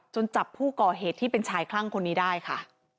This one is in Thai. จับผู้ก่อเหตุที่เป็นชายคลั่งคนนี้ได้ค่ะ